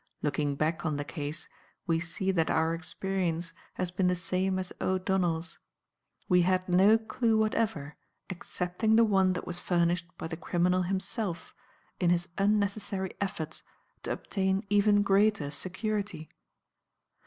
Looking back on the case, we see that our experience has been the same as O'Donnell's; we had no clue whatever excepting the one that was furnished by the criminal himself in his unnecessary efforts to obtain even greater security.